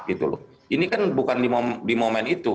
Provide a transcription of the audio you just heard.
ini kan bukan di momen itu